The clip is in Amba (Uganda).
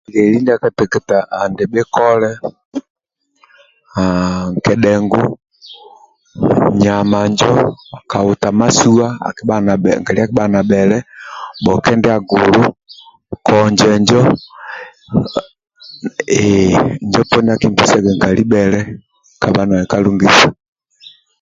Lyeli ndia kateketa andi bhikole haa nkedhengu nyama njo kahuta masuwa akibhaga na bhele nkali akibhaga na bhele bhoke nildua gulu konje njo ehhh injo poni akimpesiaga nkali bhele kabha nali ka kalungisia